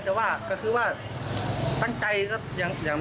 แต่ว่าตั้งใจก็อย่างน้อย